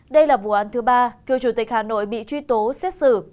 đây là vụ án thứ ba cựu chủ tịch hà nội bị truy tố xét xử